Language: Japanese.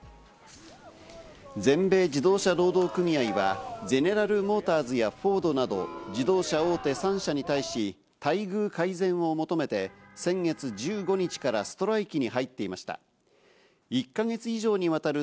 全米自動車労働組合はゼネラル・モーターズやフォードなど、自動車大手３社に対し、待遇改善を求めて、先月１５日からストライキに入っていました。